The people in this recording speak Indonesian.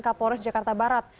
kapolres jakarta barat